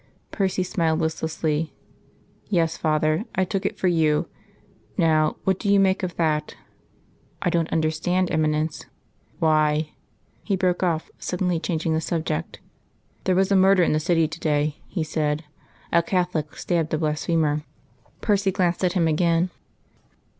Percy smiled listlessly. "Yes, father, I took it for you. Now, what do you make of that?" "I don't understand, Eminence." "Why " He broke off, suddenly changing the subject. "There was a murder in the City to day," he said. "A Catholic stabbed a blasphemer." Percy glanced at him again.